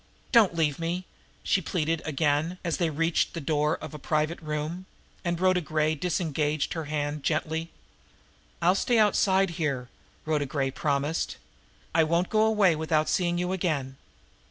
"Don't leave me!" she pleaded again, as they reached the door of a private room, and Rhoda Gray disengaged her hand gently. "I'll stay outside here," Rhoda Gray promised. "I won't go away without seeing you again."